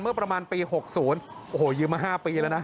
ประมาณปี๖๐โอ้โหยืมมา๕ปีแล้วนะ